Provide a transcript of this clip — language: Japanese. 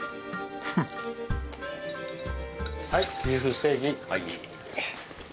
フッはいビーフステーキ。